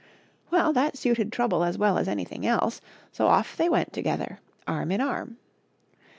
Well, that suited Trouble as well as anything else, so off they went to gether, arm in arm.